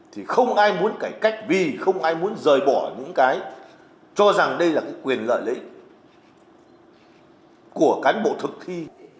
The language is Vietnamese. thì không ai muốn cải cách vì không ai muốn rời bỏ những cái cho rằng đây là cái quyền lợi đấy của cán bộ thực thi